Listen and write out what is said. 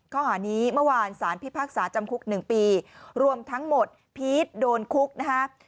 ข้อหานี้เมื่อวานสารพิพากษาจำคุก๑ปีรวมทั้งหมดพีชโดนคุกนะฮะ